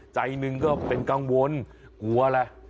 ใจหนึ่งก็เป็นกังวลกลัวอะไร